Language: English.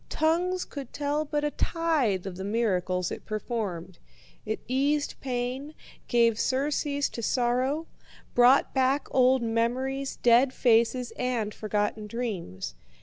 Tongues could tell but a tithe of the miracles it performed. It eased pain, gave surcease to sorrow, brought back old memories, dead faces, and forgotten dreams.